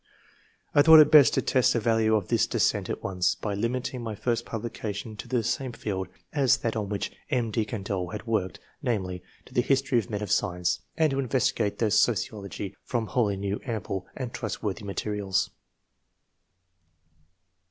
I thought it best to test the value of this dissent at once, by limiting my first publication to the same field as that on which M. de CandoUe had worked — ^namely, to the history of men of science, and to investigate their sociology from wholly new, ample, and trustworthy materials.